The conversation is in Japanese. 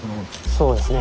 そうですね。